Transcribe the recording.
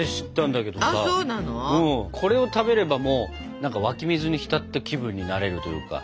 これを食べればもう何か湧き水に浸った気分になれるというか。